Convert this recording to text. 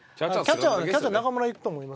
キャッチャーは中村いくと思いますよ。